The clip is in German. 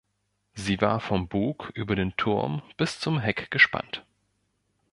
Sie war vom Bug über den Turm bis zum Heck gespannt.